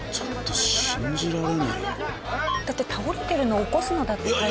だって倒れてるのを起こすのだって大変。